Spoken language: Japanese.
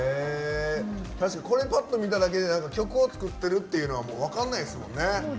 確かにこれぱっと見ただけで曲を作ってるっていうのは分かんないですもんね。